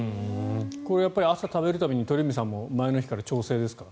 これは朝食べるために鳥海さんも前の日から調整ですか？